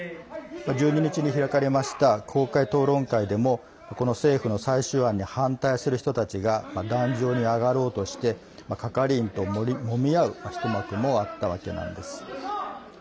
１２日に開かれました公開討論会でもこの政府の最終案に反対する人たちが壇上に上がろうとして係員と、もみ合う一幕もあったわけなんです。